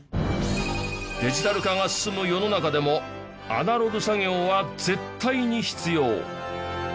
デジタル化が進む世の中でもアナログ作業は絶対に必要。